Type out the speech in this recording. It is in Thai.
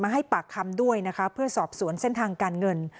ให้ปากคำด้วยนะคะเพื่อสอบสวนเส้นทางการเงิน